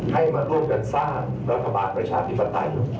ให้มาร่วมกันสร้างรัฐบาลประชาธิปไตย